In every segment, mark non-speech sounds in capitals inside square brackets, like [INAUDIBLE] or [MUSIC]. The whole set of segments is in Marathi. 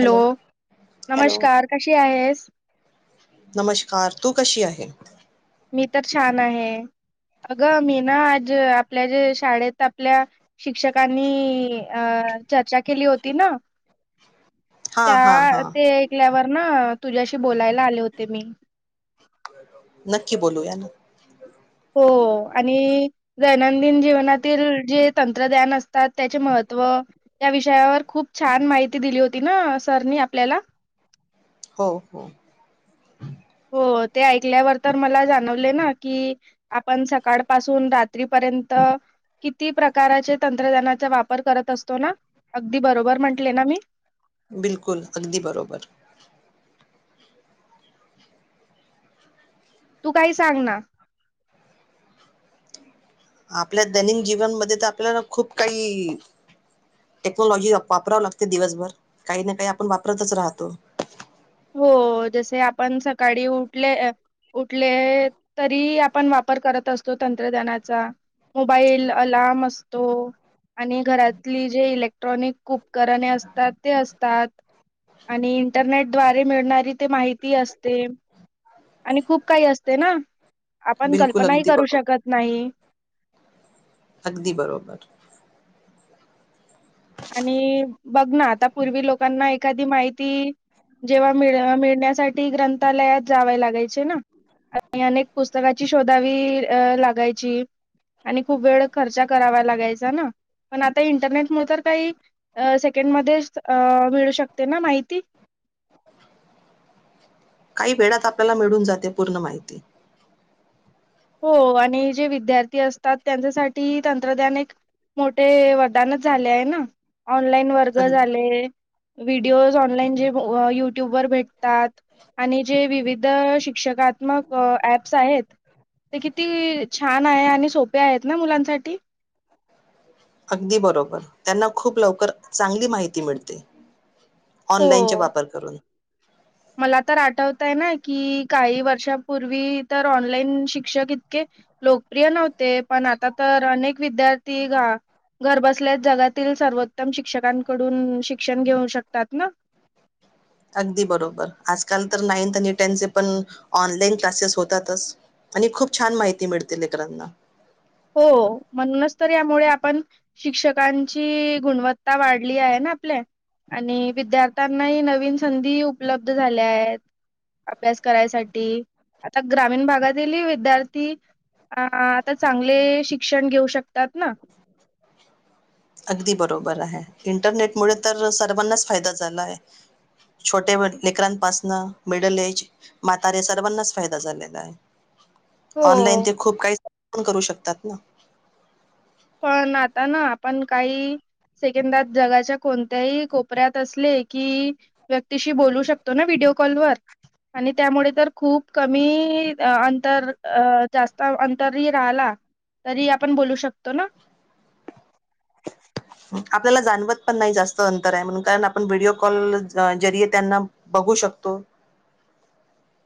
हॅलो- हॅलो- नमस्कार कशी आहेस नमश्कार, तू कशी आहे? मी तर छान आहे, अगं मी ना आजं, आपल्या जे, शाळेत आपल्या शिक्षकांनी अं- चर्चा केली होती ना? हा हा हा त्या, ते ऐकल्यावर ना तुझ्याशी बोलायला आले होते मी. नक्की बोलूया ना. हो आणि [UNINTELLIGIBLE] [UNINTELLIGIBLE] जेवणातील जे तंत्रज्ञान असतात, त्याचे महत्त्व, त्या विषयी त्यावर खूप छान माहिती दिली होती ना, सरनी आपल्याला? हो हो हो ते ऐकल्यावर, तर मला जाणवले ना, की आपण सकाळ पाासून रात्रीपर्यंत किती प्रकारचे तंत्रज्ञानाचा वापर करत असतो ना? अगदी बरोबर म्हंटले ना मी बिलकुल, अगदी बरोबर. तू काही सांग ना. आपल्या दैनिन जीवनमध्ये तर, आपल्याला खूप काही, टेक्नॉलॉजी वापरावं लागते, दिवसभर काही ना काही आपण वापरतचं राहतो. हो जसे आपण सकाळी उठले उठले तरी आपण वापर करत असतो तंत्रज्ञानाचा मोबाईल आलाराम असतो आणि घरातली जे इलेक्ट्रॉनिक उपकरणे असतात ते असतात आणि इंटरनेट द्वारे मिळणारी ते माहिती असते आणि खूप काही असते ना आपण बिलकुल कल्पनाही अगदी करू बरोबर शकत नाही अगदी बरोबर आणि बघ ना आता पूर्वी लोकांना एखादी माहिती जेव्हा मिळ मिळण्यासाठी ग्रंथालयात जावे लागायचे ना आणि अनेक पुस्तकाची शोधावी अ लागायची आणि खूप वेळ खर्चा करावा लागायचा ना पण आता इंटरनेट म [UNINTELLIGIBLE] सेकंड मध्ये मिळू शकते ना माहिती काही वेळात आपल्याला मिळून जाते पूर्ण माहिती हो आणि जे विद्यार्थी असतात त्यांच्यासाठी तंत्रज्ञान एक मोठे वरदानच झाले आहे ना ऑनलाईन वर्ग अग झाले व्हिडिओज ऑनलाईन जे युट्यूब वर भेटतात आणि जे विविध शिक्षकात्मक ऍप्स आहेत ते किती छान आहे आणि सोपे आहेत ना मुलांसाठी अगदी बरोबर त्यांना खूप लवकर चांगली माहिती मिळते ऑनलाइनचा हो. वापर करून मला तर आठवतय ना कि काही वर्षापूर्वी तर ऑनलाइन शिक्षक इतके लोकप्रिय नव्हते पण आता तर अनेक विद्यार्थी घरबसल्यास जगातील सर्वोत्तम शिक्षकांकडून शिक्षण घेऊ शकतात ना अगदी बरोबर आजकाल तर नाइंथ आणि टेंथ पण ऑनलाईन क्लासेस होतातच आणि खूप छान माहिती मिळतील लेकरांना हो म्हणूनच तर यामुळे आपण शिक्षकांची गुणवत्ता वाढली आहे ना आपले आणि विद्यार्थ्यांनाही नवीन संधी उपलब्ध झाल्या आहेत अभ्यास करायसाठी आता ग्रामीण भागातीलही विद्यार्थी आता चांगले शिक्षण घेऊ शकतात ना अगदी बरोबर आहे इंटरनेटमुळे तर सर्वांनाच फायदा झाला आहे छोटे लेकरांपासनं मिडल एज म्हातारे सर्वांनाच फायदा झालेला आहे ऑनलाइन हो ते खूप काही करू शकतात ना पण आता ना आपण काही सेकंदात जगाच्या कोणत्याही कोपऱ्यात असले कि व्यक्तीशी बोलू शकतो ना व्हिडिओ कॉलवर आणि त्यामुळे तर खूप कमी अंतर अ जास्त अंतरही राहिला तरी आपण बोलू शकतो तो ना आपल्याला जाणवत पण नाही जास्त अंतर आहे म्हणून कारण आपण व्हिडिओ कॉल वर त्यांना बघू शकतो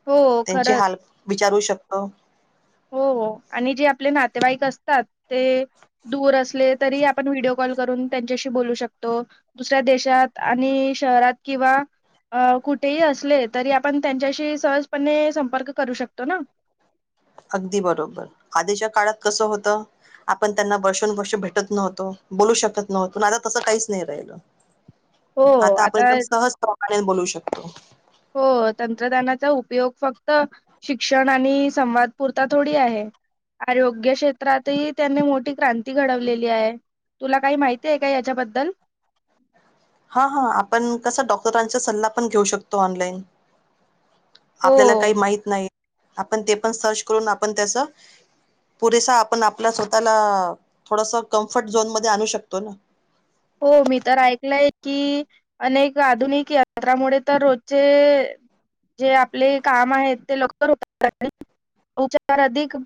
हो त्यांचे खरच हाल विचारू शकतो. हो आणि जे आपले नाते नातेवाईक असतात ते दूर असले तरी आपण व्हिडओ कॉल करून त्यांच्याशी बोलू शकतो दुसऱ्या देशात आणि शहरात किंवा कुठेही असले तरी आपण त्यांच्याशी सहजपणे संपर्क करू शकतो ना अगदी बरोबर आधीच्या काळात कसं होतं आपण त्यांना वर्षोनुवर्ष भेटत नव्हतो बोलू शकत नव्हतो आता तसं काहीच नाही राहिल हो आता बोलू शकतो हो तंत्रज्ञानाचा उपयोग फक्त शिक्षण आणि संवाद पुरता थोडी आहे आरोग्य क्षेत्रातही त्यांनी मोठी क्रांती घडवलेली आहे तुला काही माहिती आहे का याच्याबद्दल हा हा आपण कसा डॉक्टरांचा सल्ला पण घेऊ शकतो ऑनलाईन हो आपल्याला काही माहित नाही आपण ते पण सर्च करून आपण त्याच पुरेसा आपण आपला स्वतःला थोडस कम्फर्ट झोन मध्ये आणू शकतो ना हो मी तर ऐकलंय की अनेक आधुनिक यंत्रामुळे तर रोजचे जे आपले काम आहेत ते लवकर उपचार अधिक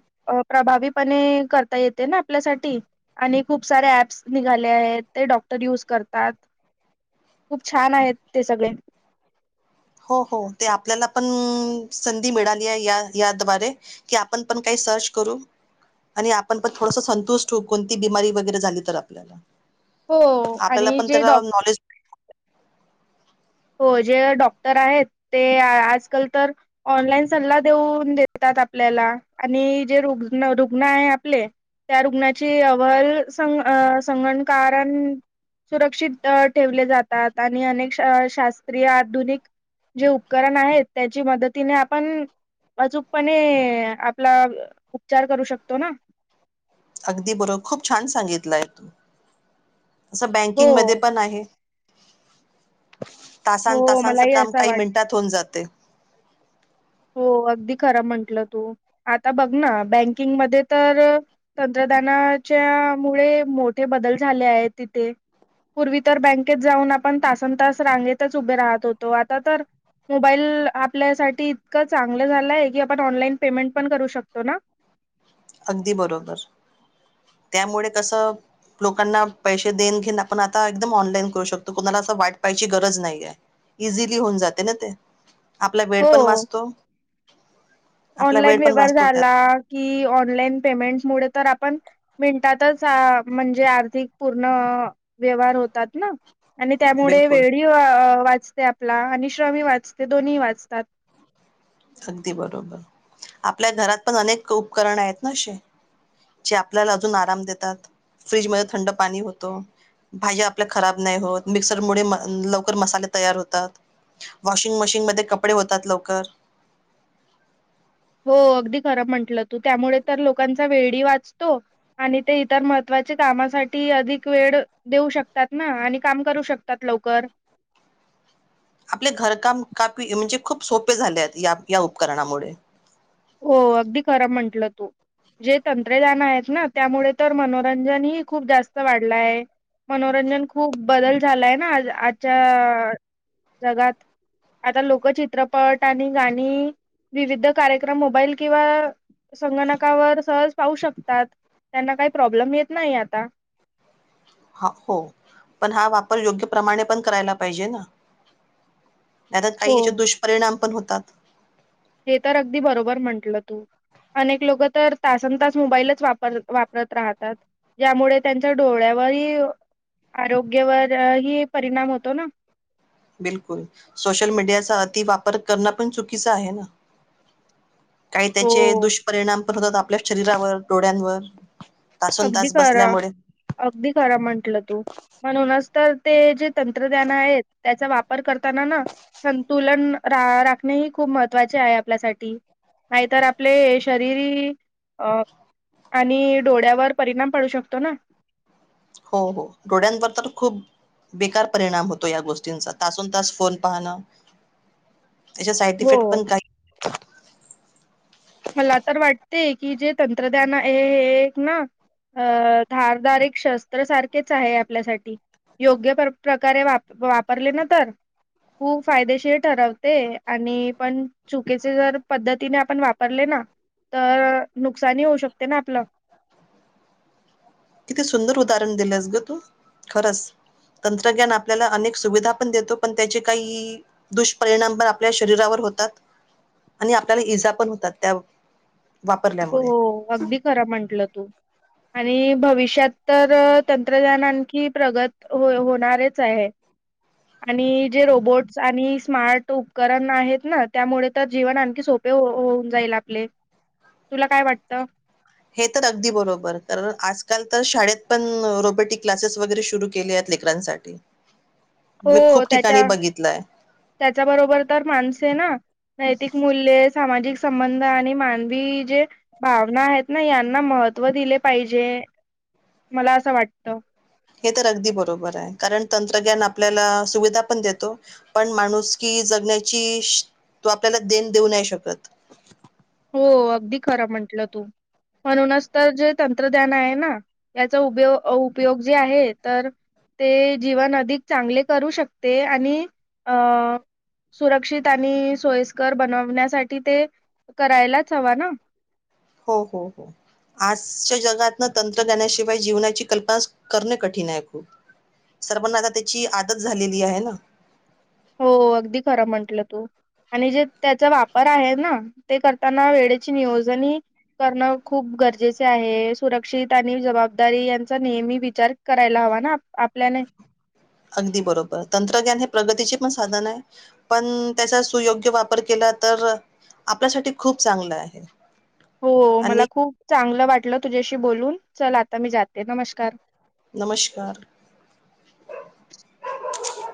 प्रभावीपणे करता येते ना आपल्यासाठी आणि खूप सारे ऍप्स निघाले आहेत. ते डॉक्टर यूज करतात खूप छान आहेत ते सगळे. हो हो ते आपल्याला पण संधी मिळाली आहे याद्वारे की आपण पण काही सर्च करू आणि आपण पण थोडस संतुष्ट होऊ कोणती बिमारी वगैरे झाली तर आपल्याला. हो आणि आपल्याला पण जे डॉ त्याला नॉलेज हो जे डॉक्टर आहेत ते आजकाल तर ऑनलाईन सल्ला देऊन देतात आपल्याला आणि जे रुग्ण रुग्ण आहे आपले त्या रुग्णाची अहवाल सं संगणकारण सुरक्षित ठेवले जातात आणि अनेक श शास्त्रीय आधुनिक जे उपकरण आहेत त्याची मदतीने आपण अचूकपणे आपला उपचार करू शकतो ना. अगदी बरं खूप छान सांगितलंय तू. असं हो बँकिंग मध्ये पण आहे. तासन हो तासांच मलाही काम असा काही वाटत मिनिटात होऊन जाते. हो अगदी खरं म्हंटलं तू आता बघ ना बँकिंगमध्ये तर तंत्रज्ञानाच्या मुळे मोठे बदल झाले आहेत तिथे पूर्वी तर बँकेत जाऊन आपण तासन तास रांगेतच उभे राहत होतो आता तर मोबाईल आपल्यासाठी इतकं चांगलं झालंय की आपण ऑनलाईन पेमेंट पण करू शकतो ना. अगदी बरोबर, त्यामुळे तसं लोकांना पैसे देन घेन आपण आता एकदम ऑनलाईन करू शकतो कोणाला असं वाट पायची गरज नाहीय इझिली होऊन जाते ना ते. आपला वेळ हो पण वाचतो. [INAUDIBLE] आपला ऑनलाईन वेळ पण व्यवहार वाचतो झाला त्यात की ऑ नलाइन पेमेंट मुळे तर आपण मिनटातच म्हणजे आर्थिक पूर्ण व्यवहार होतात ना. आणि त्यामुळे बिलकुल वेळी वाचते आपला आणि श्रमी वाचते दोन्ही वाचतात. अगदी बरोबर, आपल्या घरात पण अनेक उपकरण आहेत ना असे जे आपल्याला अजून आराम देतात फ्रीजमध्ये थंड पाणी होतो, भाज्या आपल्या खराब नाही होत, मिक्सर मुळे लवकर मसाले तयार होतात, वॉशिंग मशीन मध्ये कपडे होतात लवकर. हो अगदी खरं म्हंटलं तू त्यामुळे तर लोकांचा वेळी वाचतो आणि ते इतर महत्वाचे कामासाठी अधिक वेळ देऊ शकतात ना आणि काम करू शकतात लवकर. आपले घरकाम कापी म्हणजे खूप सोपे झाले आहेत या उपकरणामुळे. हो अगदी खरं म्हंटलं तू जे तंत्रज्ञान आहेत ना त्यामुळे तर मनोरंजनही खूप जास्त वाढलाय मनोरंजन खूप बदल झालाय ना आजच्या जगात आता लोकचित्रपट आणि गाणी विविध कार्य क्रम मोबाईल किंवा संगणकावर सहज पाहू शकतात. त्यांना काही प्रॉब्लेम येत नाही आता. ह हो पण हा वापर योग्य प्रमाणे पण करायला पाहिजे ना. नाही तर काही हो. याचे दुष्परिणाम पण हो तात. हे तर अगदी बरोबर म्हंटलं तू अनेक लोकं तर तासन तास मोबाईलच वापर वापरत राहतात ज्यामुळे त्यांच्या डोळ्यावरही, आरोग्यावर हि परिणाम होतो ना. बिलकुल, सोशल मीडियाचा अति वापर करणं पण चुकीचं आहे ना. काही त्याचे हो. दुष्परिणाम पण होतात. आपल्या शरीरावर, डोळ्यांवर. तासोन अगदी तास खरं, बसल्यामुळे अगदी खरं म्हटलं तू म्हणूनच तर ते जे तंत्रज्ञान आहेत त्याचा वापर करताना ना संतुलन रा राखणे हि खूप महत्वाचे आहे आपल्यासाठी नाहीतर आपले शरीरी अ आणि डोळ्यावर परिणाम पाडू शकतो ना. हो हो डोळ्यांवर तर खूप बेकार परिणाम होतो या गोष्टींचा तासोन तास फोन पाहणं. त्याच्या साईड इफेक्ट हो. पण काही मला तर वाटते की जे तंत्रज्ञान आहे हे एक ना अ धारधारक शस्त्र सारखेच आहे आपल्यासाठी योग्य प्रकारे वाप वापरले ना तर खूप फायदेशीर ठरवते आणि पण चुकीचे जर पद्धतीने आपण वाप रले ना तर नुकसानी होऊ शकते ना आपलं. किती सुंदर उदाहरण दिलंस गं तू खरंच तंत्रज्ञान आपल्याला अनेक सुविधा पण देतो पण त्याचे काही दुष्परिणाम पण आपल्या शरीरावर होतात. आणि आपल्याला इजा पण होतात. त्या वापरल्यामुळे हो अगदी खरं म्हटलं तू - आणि भविष्यात तर तंत्रज्ञान आणखी प्रगत हो होणारच आहे. आणि जे रोबोट्स आणि - स्मार्ट उपकरण आहेत ना त्यामुळे तर जीवन आणखी सोपे होऊन जाईल आपले. तुला काय वाटतं? हे तर अगदी बरोबर कारण आजकाल तर शाळेत पण रोबोटिक क्लासेस वगैरे सुरू केले आहेत लेकरांसाठी! मी हो खूप त्याच्या ठिकाणी बघितलंय त्याच्या बरोबर तर माणसे ना नैतिक मूल्य सामाजिक- संबंध आणि मानवी जे भावना आहेत ना यांना महत्त्व दिले पाहिजे मला असं वाटत. हे तर अगदी बरोबर आहे कारण तंत्रज्ञान आपल्याला सुविधा पण देतो पण माणूस की जगण्याची तो आपल्याला देण देऊ नाही शकत. हो अगदी खरं म्हटलं तू म्हणूनच तर जे तंत्रज्ञान आहे ना याचा उयो उपयोग जे आहे तर ते जीवन अधिक चांगले करू शकते आणि अ सुरक्षित आणि सोयस्कर बनवण्यासाठी ते! करायलाच हवा ना. हो हो हो आजच्या जगातन तंत्रज्ञानाशिवाय जीवनाची कल्पना करणे कठीण आहे खूप सर्वांना आता त्याची आदत झालेली आहे ना. हो अगदी खरं म्हंटलं तू आणि जे त्याचा वापर आहे ना ते करताना वेळेची नियोजन करणं खूप गरजेचे आहे सुरक्षित आणि जबाबदारी यांचा नेहमी विचार करायला हवा ना आपल्याने - अगदी बरोबर तंत्रज्ञान हे प्रगतीचे पण साधन आहे पण त्याचा सुयोग्य वापर केला तर आपल्यासाठी खूप चांगलं आहे. हो मला आणि खूप - चांगलं वाटलं तुझ्याशी बोलून चल आता मी जाते नमस्कार. नमस्कार -